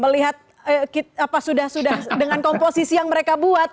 melihat apa sudah sudah dengan komposisi yang mereka buat